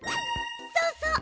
そうそう！